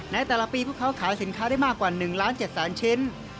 ในแต่ละปีพวกเขาขายสินค้าได้มากกว่า๑ล้าน๗แสนชิ้น